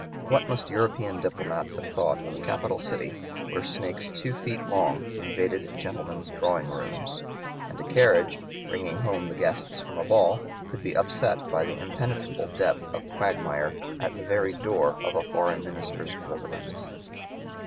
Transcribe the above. What must European diplomats have thought of a capital city where snakes two feet long invaded gentlemen's drawing rooms, and a carriage, bringing home the guests from a ball, could be upset by the impenetrable depth of quagmire at the very door of a foreign minister's residence.